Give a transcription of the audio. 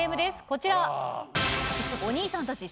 こちら。